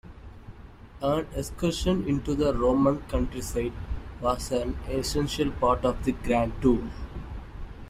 An excursion into the Roman countryside was an essential part of the Grand Tour.